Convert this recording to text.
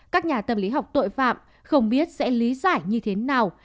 các nhà tâm lý học tội phạm không biết sẽ lý giải như thế nào